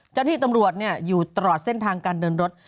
เจ้าที่ตำรวจอยู่ตลอดเส้นทางการเดินรถ